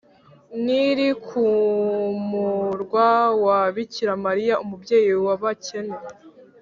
nil ku murwa wa bikira mariya umubyeyi w’abakene,